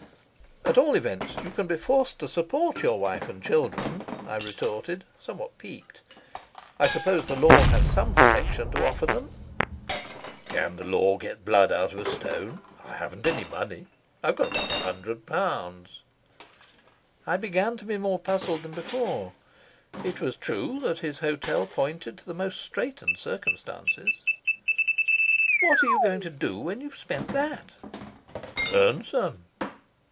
"At all events, you can be forced to support your wife and children," I retorted, somewhat piqued. "I suppose the law has some protection to offer them." "Can the law get blood out of a stone? I haven't any money. I've got about a hundred pounds." I began to be more puzzled than before. It was true that his hotel pointed to the most straitened circumstances. "What are you going to do when you've spent that?" "Earn some."